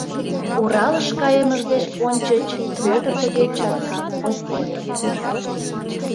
Уралыш кайымыж деч ончыч Пӧтыр тыге чаткан ок кой ыле.